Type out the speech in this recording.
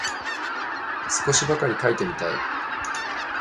少しばかり書いてみたい